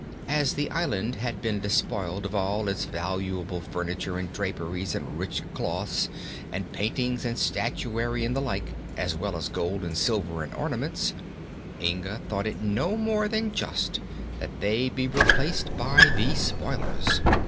As the island had been despoiled of all its valuable furniture and draperies and rich cloths and paintings and statuary and the like, as well as gold and silver and ornaments, Inga thought it no more than just that they be replaced by the spoilers.